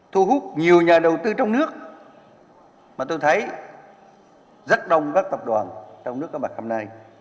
thu hút nhiều nhà đầu tư trong nước mà tôi thấy rất đông các tập đoàn trong nước có mặt hôm nay